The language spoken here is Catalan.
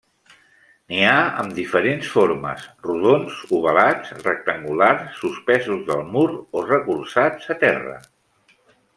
N'hi ha amb diferents formes: rodons, ovalats, rectangulars, suspesos del mur o recolzats a terra.